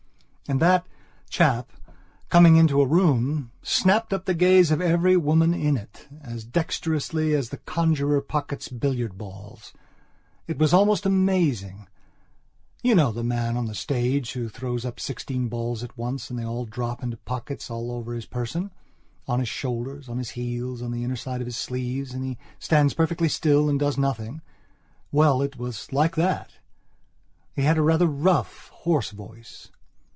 And that chap, coming into a room, snapped up the gaze of every woman in it, as dexterously as a conjurer pockets billiard balls. It was most amazing. You know the man on the stage who throws up sixteen balls at once and they all drop into pockets all over his person, on his shoulders, on his heels, on the inner side of his sleeves; and he stands perfectly still and does nothing. Well, it was like that. He had rather a rough, hoarse voice.